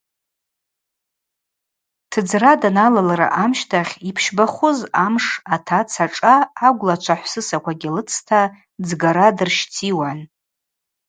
Тыдзра даналалра амщтахь йпщбахуз амш атаца шӏа агвлачва хӏвсысаквагьи лыцта дзгара дырщтиуан.